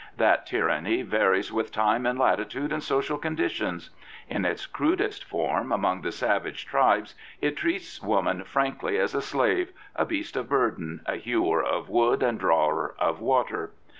That tyranny varies with time and latitude and social conditions. In its crudest form, among the savage tribes, it treats woman frankly as a slave, a beast of burden, a hewer of wood and drawer of water.